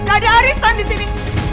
ada arisan disini